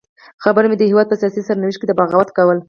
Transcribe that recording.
خبره مې د هېواد په سیاسي سرنوشت کې د بغاوت کوله.